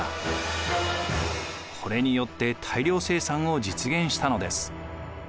これによって大量生産を実現したのです。